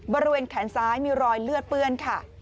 บริเวณแขนซ้ายมีรอยเลือดเปื้อนค่ะ